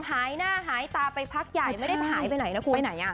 หายหน้าหายตาไปพักใหญ่ไม่ได้หายไปไหนนะคุณไปไหนอ่ะ